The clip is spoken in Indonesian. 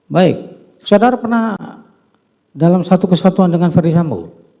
baik saudara pernah dalam satu kesatuan dengan ferdisambo